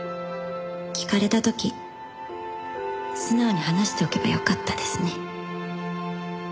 「聞かれた時素直に話しておけばよかったですね」